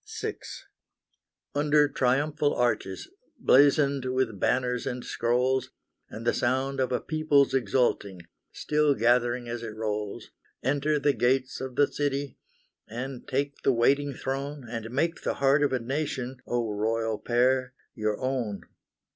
VI. Under triumphal arches, blazoned with banners and scrolls, And the sound of a People's exulting, still gathering as it rolls, Enter the gates of the city, and take the waiting throne, And make the heart of a Nation, O Royal Pair, your own.